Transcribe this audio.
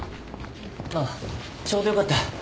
ああちょうどよかった。